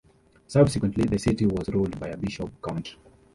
Subsequently, the city was ruled by a bishop-count.